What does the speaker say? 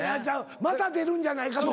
また出るんじゃないかと。